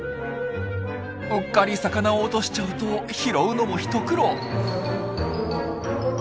うっかり魚を落としちゃうと拾うのも一苦労。